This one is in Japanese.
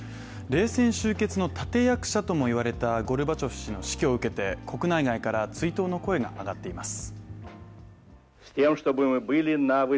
冷戦終結の立て役者とも言われたゴルバチョフ氏の死去を受けて国内外から追悼の声が上がっています。